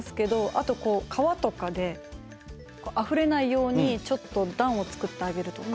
あとこう川とかであふれないようにちょっと段を作ってあげるとか。